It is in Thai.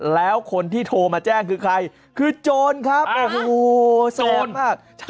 แล้วคนที่โทรมาแจ้งคือใครคือโจรครับโอ้โหโจรมาก